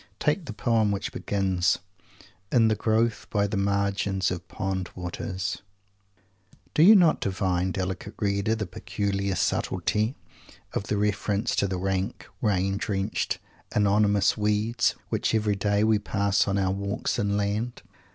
Take the poem which begins: "In the growths, by the margins of pond waters " Do you not divine, delicate reader, the peculiar subtlety of that reference to the rank, rain drenched anonymous weeds, which every day we pass in our walks inland?